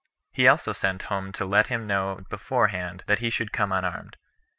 He also sent some to let him know beforehand that he should come unarmed.